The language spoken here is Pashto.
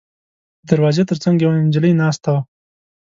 د دروازې تر څنګ یوه نجلۍ ناسته وه.